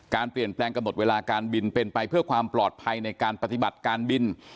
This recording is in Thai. เปลี่ยนแปลงกำหนดเวลาการบินเป็นไปเพื่อความปลอดภัยในการปฏิบัติการบิน